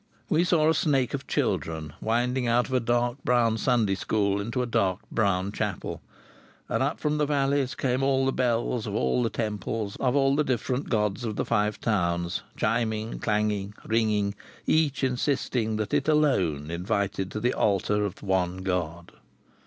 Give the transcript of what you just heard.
We saw a snake of children winding out of a dark brown Sunday school into a dark brown chapel. And up from the valleys came all the bells of all the temples of all the different gods of the Five Towns, chiming, clanging, ringing, each insisting that it alone invited to the altar of the one God.